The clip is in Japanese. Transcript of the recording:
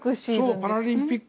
パラリンピック